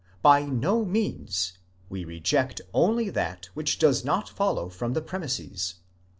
By no means: we reject only that which does not follow from. the premises.